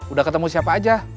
udah ketemu siapa aja